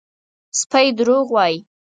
_سپی دروغ وايي!